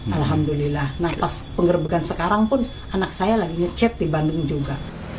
alhamdulillah nah pas pengerebekan sekarang pun anak saya lagi ngecet di bandung juga